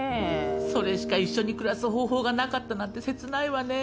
それしか一緒に暮らす方法がなかったなんて切ないわね。